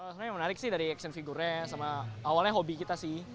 sebenarnya menarik sih dari action figure nya sama awalnya hobi kita sih